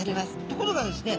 ところがですね